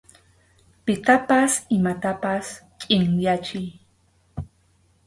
Pitapas imatapas chʼinyachiy.